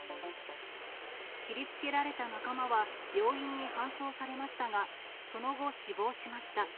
切りつけられた仲間は病院に搬送されましたが、その後死亡しました。